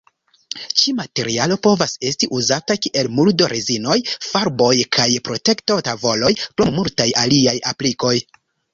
Ĉi-materialo povas esti uzata kiel muldo-rezinoj, farboj kaj protekto-tavoloj, krom multaj aliaj aplikoj.